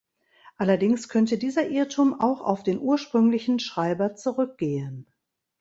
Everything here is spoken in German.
Allerdings könnte dieser Irrtum auch auf den ursprünglichen Schreiber zurückgehen.